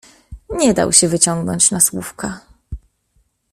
"Nie dał się wyciągnąć na słówka."